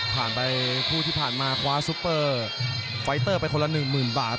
ไปคู่ที่ผ่านมาคว้าซุปเปอร์ไฟเตอร์ไปคนละ๑๐๐๐บาท